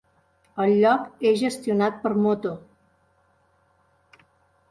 El lloc és gestionat per Moto.